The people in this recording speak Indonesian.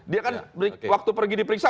dia kan waktu pergi diperiksa